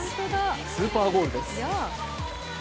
スーパーゴールです。